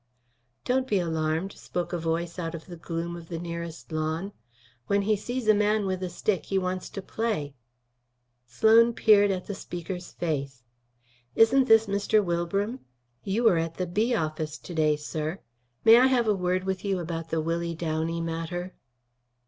"Don't be alarmed," spoke a voice out of the gloom of the nearest lawn. "When he sees a man with a stick, he wants to play." Sloan peered at the speaker's face. "Isn't this Mr. Wilbram? You were at the Bee office to day, sir. May I have a word with you about the Willie Downey matter?"